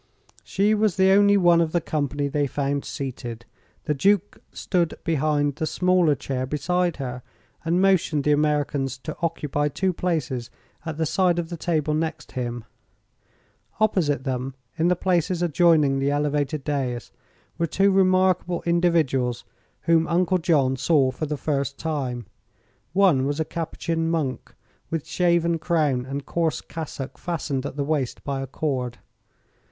She was the only one of the company they found seated. The Duke stood behind the smaller chair beside her, and motioned the Americans to occupy two places at the side of the table next him. Opposite them, in the places adjoining the elevated dais, were two remarkable individuals whom Uncle John saw for the first time. One was a Cappuccin monk, with shaven crown and coarse cassock fastened at the waist by a cord.